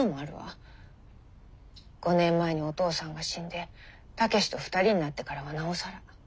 ５年前にお義父さんが死んで武志と２人になってからはなおさら。